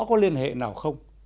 có liên hệ nào không